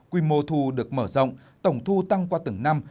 quy mô thu được mở rộng tổng thu tăng qua từng năm